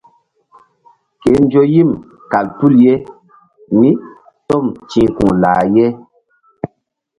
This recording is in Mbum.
Ke nzo yim kal tul mí tom ti̧h ku̧ lah ye.